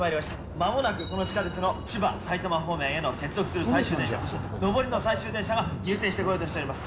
まもなくこの地下鉄の千葉・埼玉方面への接続する最終電車、上りの最終電車が入線しようとしております。